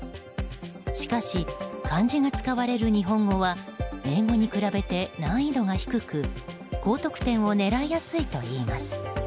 しかし漢字が使われる日本語は英語に比べて難易度が低く高得点を狙いやすいといいます。